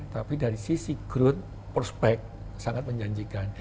tapi dari sisi growth prospek sangat menjanjikan